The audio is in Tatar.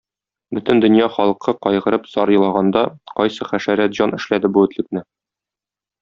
Бөтен дөнья халкы кайгырып зар елаганда кайсы хәшәрәт җан эшләде бу этлекне?